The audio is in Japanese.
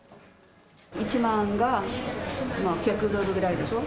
１万が１００ドルぐらいでしょ。